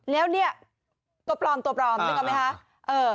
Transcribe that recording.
แล้วนี่ตัวปลอมนึกออกไหมครับ